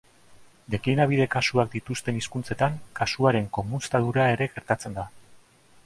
Deklinabide kasuak dituzten hizkuntzetan, kasuaren komunztadura ere gertatzen da.